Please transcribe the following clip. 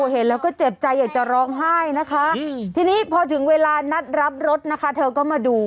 เห็นแล้วก็เจ็บใจอยากจะร้องไห้นะคะทีนี้พอถึงเวลานัดรับรถนะคะเธอก็มาดู